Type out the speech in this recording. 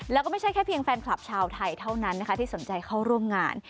แล้วก็ไม่ใช่แค่เพียงแฟนคลับชาวไทยเท่านั้นนะคะที่สนใจเข้าร่วมงาน